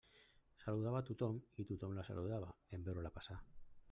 Saludava a tothom i tothom la saludava en veure-la passar.